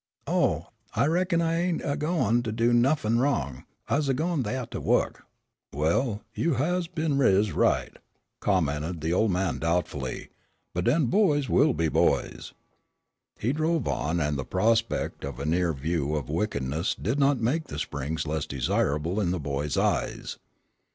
"Oh, I reckon I ain't a goin' to do nuffin wrong. I's goin' thaih to wo'k." "Well, you has been riz right," commented the old man doubtfully, "but den, boys will be boys." He drove on, and the prospect of a near view of wickedness did not make the Springs less desirable in the boy's eyes.